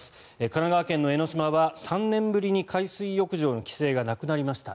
神奈川県の江の島は３年ぶりに海水浴場の規制がなくなりました。